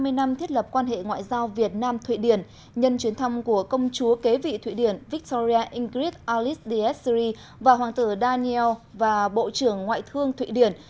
hội đồng thiết lập quan hệ ngoại giao việt nam thụy điển nhân chuyến thăm của công chúa kế vị thụy điển victoria ingrid alice diessery và hoàng tử daniel và bộ trưởng ngoại thương thụy điển